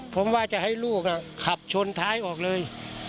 ผมว่าจะให้ลูกขับชนท้ายออกเลย